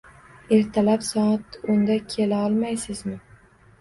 Ertalab soat o'nda kela olmaysizmi?